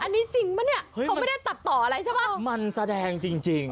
อันนี้จริงปะเนี่ยเฮ้ยเขาไม่ได้ตัดต่ออะไรใช่ป่ะมันแสดงจริงจริง